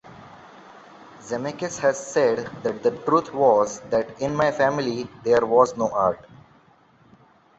Zemeckis has said the truth was that in my family there was no art.